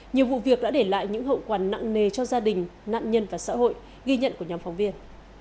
nhiều vụ việc đã để lại những hậu quả nặng nề cho gia đình nạn nhân và xã hội ghi nhận của nhóm phóng viên